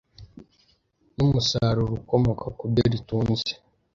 n umusaruro ukomoka mu byo ritunze